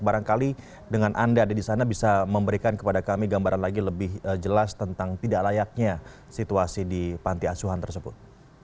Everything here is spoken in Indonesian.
barangkali dengan anda ada di sana bisa memberikan kepada kami gambaran lagi lebih jelas tentang tidak layaknya situasi di panti asuhan tersebut